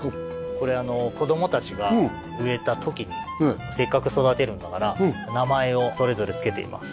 これ子供たちが植えた時にせっかく育てるんだから名前をそれぞれ付けています。